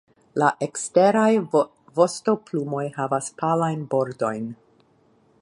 La eksteraj vostoplumoj havas palajn bordojn.